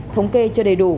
thống kê cho đầy đủ